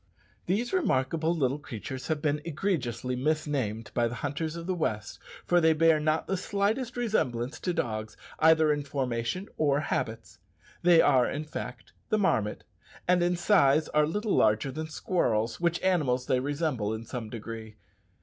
These remarkable little creatures have been egregiously misnamed by the hunters of the west, for they bear not the slightest resemblance to dogs, either in formation or habits. They are, in fact, the marmot, and in size are little larger than squirrels, which animals they resemble in some degree.